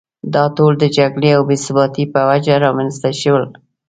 دا ټول د جګړې او بې ثباتۍ په وجه رامېنځته شول.